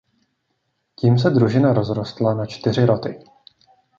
Tím se družina rozrostla na čtyři roty.